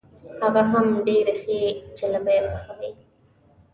هغه هم ډېرې ښې جلبۍ پخوي.